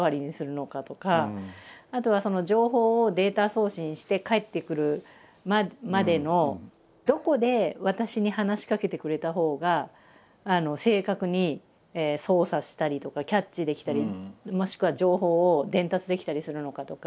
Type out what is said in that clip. あとは情報をデータ送信して返ってくるまでのどこで私に話しかけてくれたほうが正確に操作したりとかキャッチできたりもしくは情報を伝達できたりするのかとか。